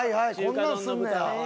こんなんすんねや。